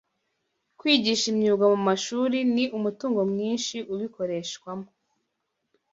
kwigisha imyuga mu mashuri ni umutungo mwinshi ubikoreshwamo